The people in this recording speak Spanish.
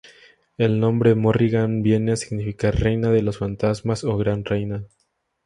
El nombre Morrigan viene a significar "Reina de los fantasmas" o "Gran Reina".